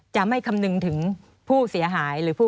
จะไม่คำนึงถึงผู้เสียหาย